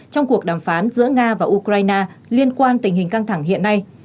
trong cuộc đàm phán giữa nga và ukraine liên quan tình hình căng thẳng hiện nay